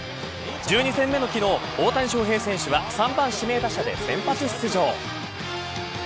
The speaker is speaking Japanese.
１２戦目の昨日、大谷翔平選手は３番、指名打者で先発出場。